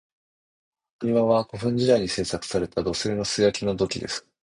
埴輪は、古墳時代に製作された土製の素焼きの土器です。